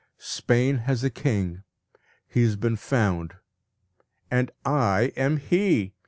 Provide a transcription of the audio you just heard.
Spain has a king; he has been found, and I am he.